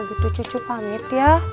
itu cucu pamit ya